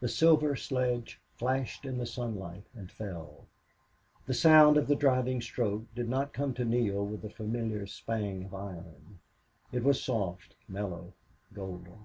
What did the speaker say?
The silver sledge flashed in the sunlight and fell. The sound of the driving stroke did not come to Neale with the familiar spang of iron; it was soft, mellow, golden.